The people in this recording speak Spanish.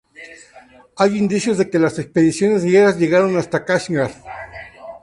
Hay indicios de que las expediciones griegas llegaron hasta Kashgar.